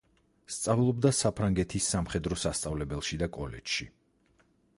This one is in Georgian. სწავლობდა საფრანგეთის სამხედრო სასწავლებელში და კოლეჯში.